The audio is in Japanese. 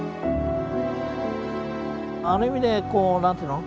ある意味でこう何て言うの？